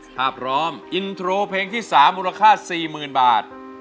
ถ้าพร้อมอินโทรเพลงที่๓มูลค่า๔๐๐๐บาท